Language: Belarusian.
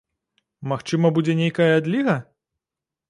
Магчыма, будзе нейкая адліга?